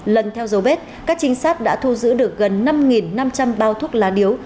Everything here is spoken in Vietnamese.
lần theo dấu vết các trinh sát đã thu giữ được gần năm năm trăm linh bao thuốc lá điếu